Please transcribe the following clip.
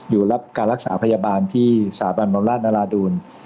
รับการรักษาพยาบาลที่สถาบันบำราชนราดูล